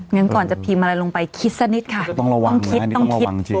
งั้นก่อนจะพิมพ์อะไรลงไปคิดสักนิดค่ะต้องระวังต้องคิดต้องคิด